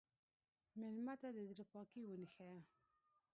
مېلمه ته د زړه پاکي وښیه.